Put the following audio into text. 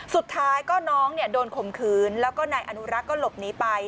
สุดท้ายก็น้องโดนข่มขืนแล้วก็นายอนุรักษ์ก็หลบหนีไป